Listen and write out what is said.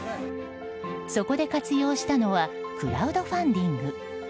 そこで活用したのはクラウドファンディング。